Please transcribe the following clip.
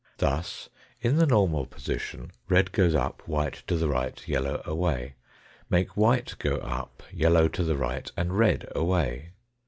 Thus, in the normal position, red goes up, white to the right, yellow away. Make white go up, yellow to the right, and red away.